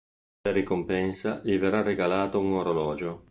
Per ricompensa, gli verrà regalato un orologio.